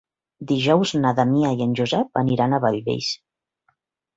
Dijous na Damià i en Josep aniran a Bellvís.